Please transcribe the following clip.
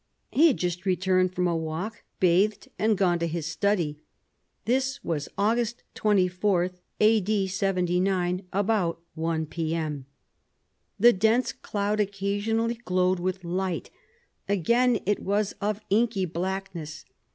He had just returned from a walk, bathed, and gone to his study. This was August 24, A. D. 79, about 1 P.M. The dense cloud occasionally glowed with light; again, it was of inky blackness.